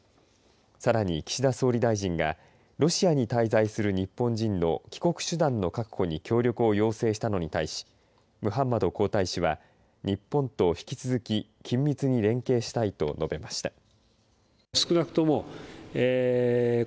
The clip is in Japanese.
さらに岸田総理大臣がロシアに滞在する日本人の帰国手段の確保に協力を要請したのに対しムハンマド皇太子は日本と引き続き緊密に連携したいと述べました。